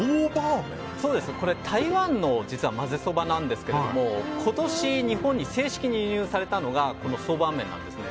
台湾のまぜそばなんですけど今年正式に輸入されたのが台湾の曽拌麺なんです。